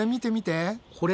これ？